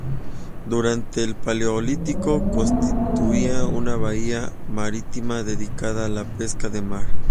Durante el paleolítico constituía una bahía marítima dedicada a la pesca de mar.